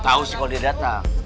tahu sih kalau dia datang